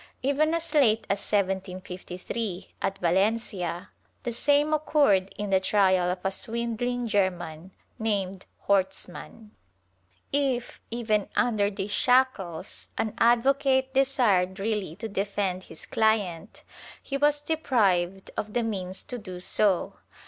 ^ Even as late as 1753, at Valencia, the same occurred in the trial of a swindling German named Horstmann.' If, even under these shackles, an advocate desired really to defend his client, he was deprived of the means to do so.